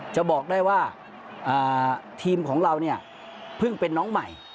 จะบอกได้ว่าทีมของเราเนี่ยเพิ่งเป็นน้องใหม่